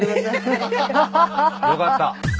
よかった。